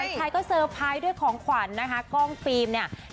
ใครก็เซอร์ไพรส์ด้วยของขวัญนะคะกล้องฟิล์มเนี่ย